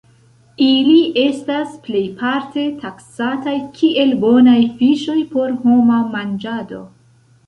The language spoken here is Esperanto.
Ili estas plejparte taksataj kiel bonaj fiŝoj por homa manĝado.